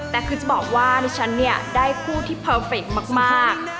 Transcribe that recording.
แต่คือจะบอกว่าดิฉันเนี่ยได้คู่ที่เพอร์เฟคมาก